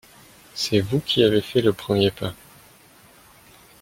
C’est vous qui avez fait le premier pas.